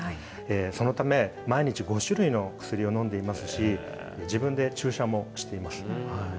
そのため毎日５種類の薬を飲んでいますし、自分で注射もしています。